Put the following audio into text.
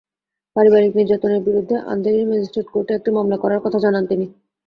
পারিবারিক নির্যাতনের বিরুদ্ধে আন্ধেরির ম্যাজিস্ট্রেট কোর্টে একটি মামলা করার কথা জানান তিনি।